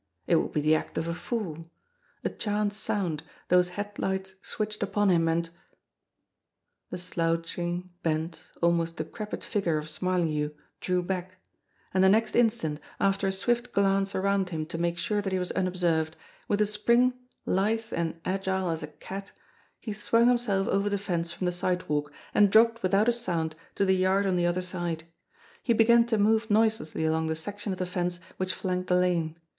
It would be the act of a fool ! A chance sound, those headlights switched upon him, and The slouching, bent, almost decrepit figure of Smarlinghue LITTLE SWEENEY 137 drew back; and the next instant, after a swift glance around him to make sure that he was unobserved, with a spring, lithe and agile as a cat, he swung himself over the fence from the sidewalk, and dropped without a sound to the yard on the other side. He began to move noiselessly along the section of the fence which flanked the lane.